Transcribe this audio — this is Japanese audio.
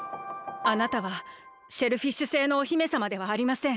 あなたはシェルフィッシュ星のお姫さまではありません。